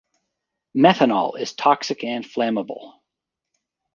Methanol is toxic and flammable.